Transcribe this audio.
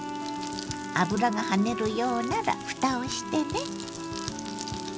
油が跳ねるようならふたをしてね。